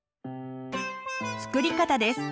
作り方です。